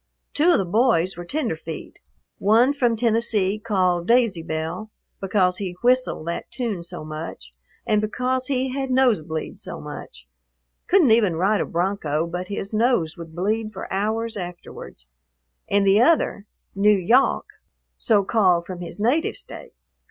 Two of the boys were tenderfeet: one from Tennessee called "Daisy Belle," because he whistled that tune so much and because he had nose bleed so much, couldn't even ride a broncho but his nose would bleed for hours afterwards; and the other, "N'Yawk," so called from his native State.